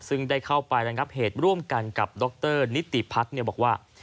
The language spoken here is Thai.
ซึ่งได้เข้าไประงับเหตุร่วมกันกับดรนิติพัฒน์บอกว่า